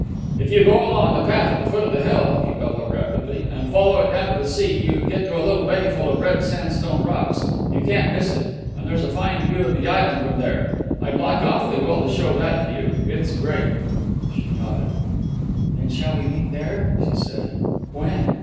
"If you go along the path at the foot of the hill," he bellowed rapidly, "and follow it down to the sea, you get a little bay full of red sandstone rocks you can't miss it and there's a fine view of the island from there. I'd like awfully well to show that to you. It's great." She nodded. "Then shall we meet there?" she said. "When?"